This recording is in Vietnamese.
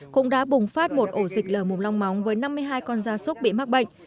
cũng đã bùng phát một ổ dịch lở mồm long móng với năm mươi hai con da súc bị mắc bệnh